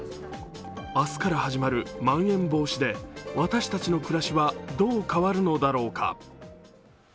明日から始まるまん延防止で私たちの暮らしはどう変わるのだろうか。